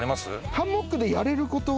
ハンモックでやれること？